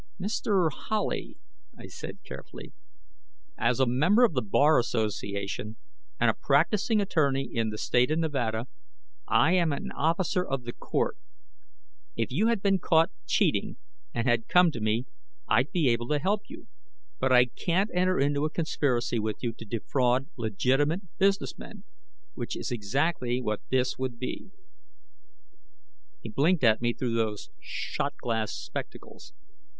"Mr. Howley," I said carefully, "as a member of the Bar Association and a practicing attorney in the State of Nevada, I am an Officer of the Court. If you had been caught cheating and had come to me, I'd be able to help you. But I can't enter into a conspiracy with you to defraud legitimate businessmen, which is exactly what this would be." He blinked at me through those shot glass spectacles.